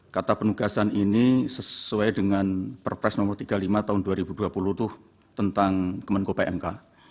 kata penugasan ini sesuai dengan perpres nomor tiga puluh lima tahun dua ribu dua puluh itu tentang kemenko pmk